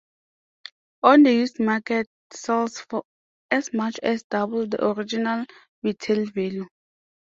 On the used market sells for as much as double the original retail value.